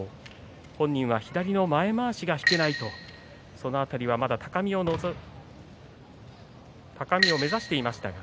本人は左の前まわしが引けないとその辺りは、まだ高みを目指しています。